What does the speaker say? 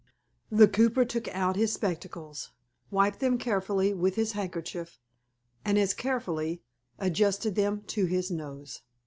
The cooper took out his spectacles, wiped them carefully with his handkerchief, and as carefully adjusted them to his nose.